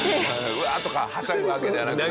「うわっ！」とかはしゃぐわけじゃなくね。